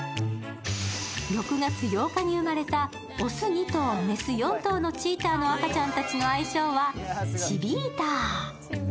６月８日に生まれた雄２頭、雌４頭のチーターの赤ちゃんの愛称はチビーター。